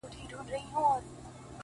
دا بېچاره به ښـايــي مــړ وي’